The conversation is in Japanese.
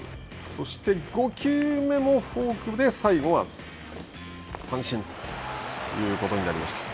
そして５球目もフォークで最後は三振ということになりました。